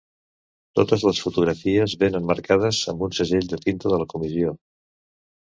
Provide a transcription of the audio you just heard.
Totes les fotografies vénen marcades amb un segell de tinta de la Comissió.